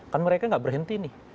kan mereka nggak berhenti nih